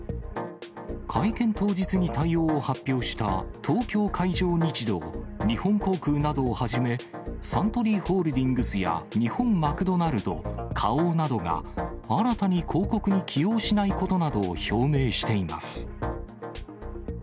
会見当日に対応を発表した東京海上日動、日本航空などをはじめ、サントリーホールディングスや日本マクドナルド、花王などが、新たに広告に起用しないことなどを表明しています。